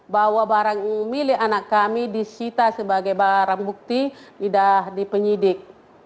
yang mengatakan bahwa milik anak kami disita sebagai barang bukti tidak dipenyidik